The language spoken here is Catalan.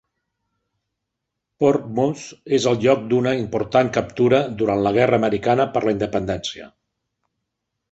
Portsmouth és el lloc d'una important captura durant la guerra americana per la independència.